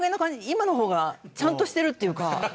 今の方がちゃんとしてるっていうか。